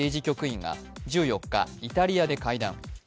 局員が１４日、イタリアで会談。